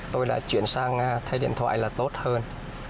tôi đã chuyển sang thay điện thoại là tốt hơn